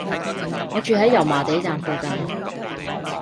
我住喺油麻地站附近